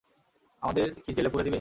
আমাদের কি জেলে পুরে দিবে?